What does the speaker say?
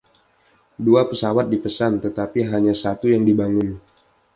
Dua pesawat dipesan, tetapi hanya satu yang dibangun.